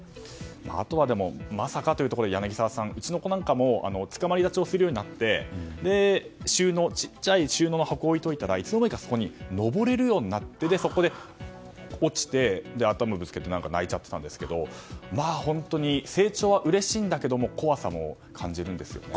あとは、まさかというところで柳澤さんうちの子なんかもつかまり立ちをするようになって小さい収納の箱を置いておいたらいつの間にかそこに登れるようになっていてそこで落ちて、頭をぶつけて泣いちゃってたんですが、本当に成長はうれしいんだけども怖さも感じるんですよね。